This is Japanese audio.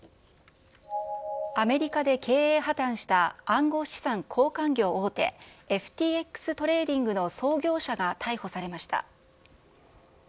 アメリカで経営破綻した暗号資産交換業大手、ＦＴＸトレーディングの創業者が逮捕されました。